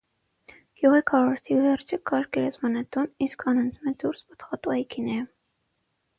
Գիւղի քառորդի վերջը կար գերեզմանատուն, իսկ անոնցմէ դուրս ՝ պտղատու այգիները։